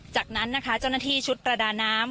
จากนั้นนะคะเจ้าหน้าที่ชุดประดาน้ำ